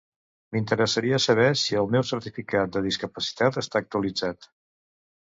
M'interessaria saber si el meu certificat de discapacitat està actualitzat.